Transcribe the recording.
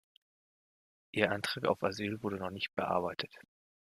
Ihr Antrag auf Asyl wurde noch nicht bearbeitet.